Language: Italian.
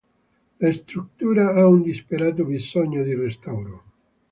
La struttura ha un disperato bisogno di restauro.